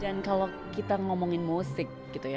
dan kalau kita ngomongin musik gitu ya